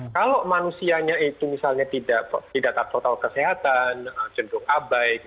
kalau manusianya itu misalnya tidak total kesehatan jenduk abai